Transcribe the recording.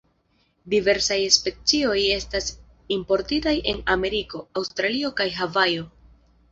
Diversaj specioj estas importitaj en Ameriko, Aŭstralio kaj Havajo.